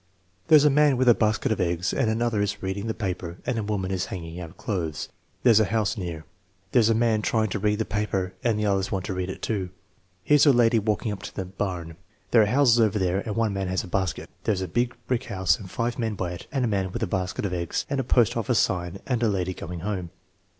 "There's a man with a basket of eggs and another is reading the paper and a woman is hanging out clothes. There's a house near." "There's a man trying to read the paper and the others want to read it too. Here J s a lady walking up to the barn. There are houses over there and one man has a basket." "There's a big brick house and five men by it and a man with a basket of eggs and a post office sign and a lady going home."